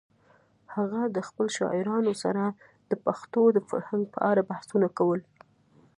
هغه د خپلو شاعرانو سره د پښتنو د فرهنګ په اړه بحثونه کول.